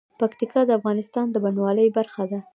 پکتیکا د افغانستان د بڼوالۍ برخه ده.